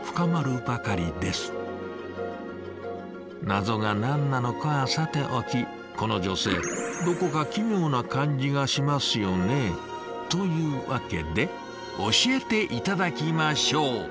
ナゾが何なのかはさておきこの女性どこか奇妙な感じがしますよね？というわけで教えて頂きましょう！